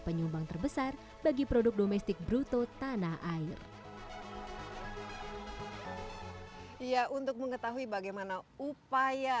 penyumbang terbesar bagi produk domestik bruto tanah air ya untuk mengetahui bagaimana upaya